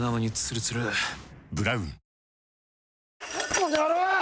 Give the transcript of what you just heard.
この野郎！